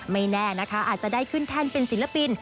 ไม่แน่นะคะอาจจะได้ขึ้นแท่นเป็นศิลปิน